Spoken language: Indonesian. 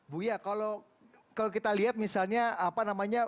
bu ya kalau kita lihat misalnya apa namanya